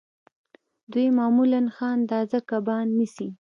دوی معمولاً ښه اندازه کبان نیسي